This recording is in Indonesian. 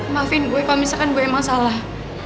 maafin gue kalau misalkan gue emang salah